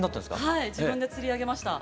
はい自分で釣り上げました。